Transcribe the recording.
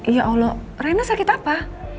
ya allah rena sakit apa